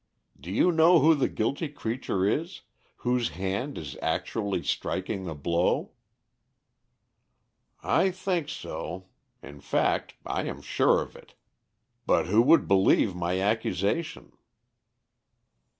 Do you know who the guilty creature is, whose hand is actually striking the blow?" "I think so; in fact I am sure of it. But who would believe my accusation?"